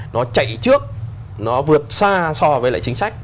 nó chạy trước nó vượt xa so với lại chính sách